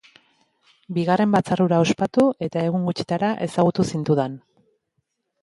Bigarren batzar hura ospatu, eta egun gutxitara ezagutu zintudan.